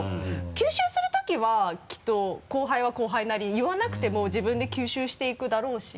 吸収するときはきっと後輩は後輩なりに言わなくても自分で吸収していくだろうし。